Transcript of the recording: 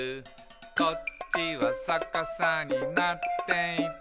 「こっちはさかさになっていて」